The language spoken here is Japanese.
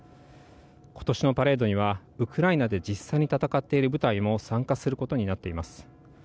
ことしのパレードには、ウクライナで実際に戦っている部隊も参加することになっています。